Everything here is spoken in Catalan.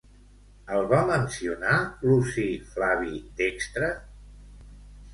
El va mencionar Luci Flavi Dextre?